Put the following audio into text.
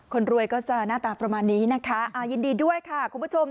คนรวยก็จะหน้าตาประมาณนี้นะคะยินดีด้วยค่ะคุณผู้ชม